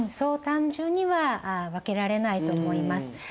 単純には分けられないと思います。